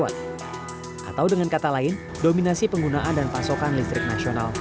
atau dengan kata lain dominasi penggunaan dan pasokan listrik nasional